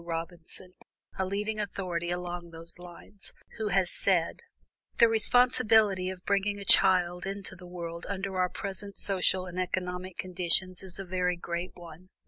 Robinson, a leading authority along these lines, who has said: "The responsibility of bringing a child into the world under our present social and economic conditions is a very great one.